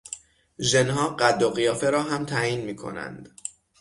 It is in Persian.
ژنها قد و قیافه را هم تعیین میکنند.